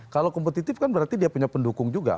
kalau kompetitif kan berarti dia punya pendukung juga